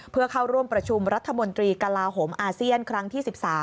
เพื่อเข้าร่วมประชุมรัฐมนตรีกลาโหมอาเซียนครั้งที่๑๓